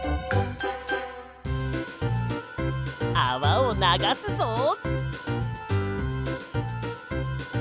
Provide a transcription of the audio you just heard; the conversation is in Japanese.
あわをながすぞ。